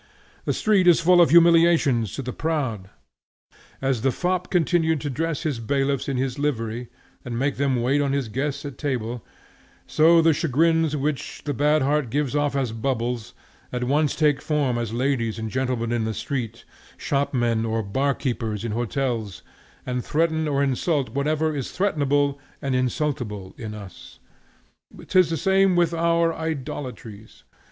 The street is full of humiliations to the proud. As the fop contrived to dress his bailiffs in his livery and make them wait on his guests at table, so the chagrins which the bad heart gives off as bubbles, at once take form as ladies and gentlemen in the street, shopmen or bar keepers in hotels, and threaten or insult whatever is threatenable and insultable in us. 'Tis the same with our idolatries.